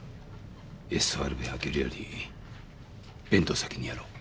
ＳＲ弁開けるよりベントを先にやろう。